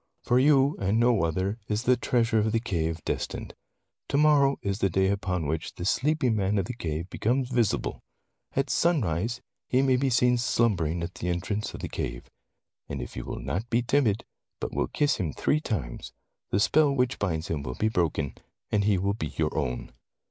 For you, and no other, is the treasure of the cave destined. To morrow is the day upon which the sleeping man of the cave becomes visible. At sunrise he may be seen slumbering at the entrance of the cave. And if you will not be timid, but will kiss him three times, the spell which binds him will be broken, and he will be your own.